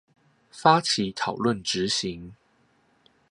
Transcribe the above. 發起討論執行